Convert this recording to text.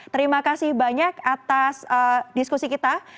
terima kasih banyak atas diskusi kita